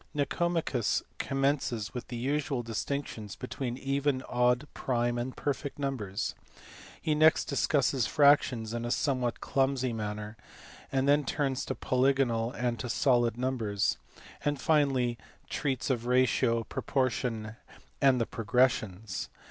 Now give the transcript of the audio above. Nico machus commences with the usual distinctions between even, odd, prime, and perfect numbers; he next discusses fractions in a somewhat clumsy manner; he then turns to polygonal and to solid numbers; and finally treats of ratio, proportion, and the progressions.